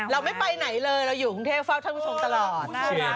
เราไม่ไปไหนเลยเราอยู่กรุงเทพเฝ้าท่านผู้ชมตลอด